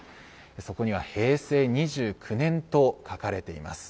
そこには平成２９年と書かれています。